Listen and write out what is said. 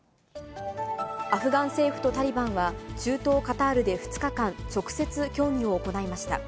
アフガン政府とタリバンは、中東カタールで２日間、直接協議を行いました。